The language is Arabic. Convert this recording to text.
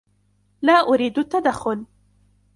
لا ارید التدخل.